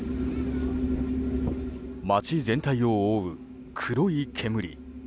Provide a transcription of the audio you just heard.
街全体を覆う黒い煙。